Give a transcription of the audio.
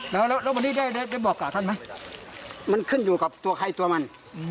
แล้วแล้วแล้ววันนี้ได้ได้บอกก่อท่านไหมมันขึ้นอยู่กับตัวใครตัวมัน